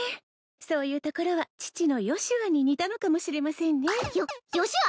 そういうところは父のヨシュアに似たのかもしれませんねヨヨシュア！？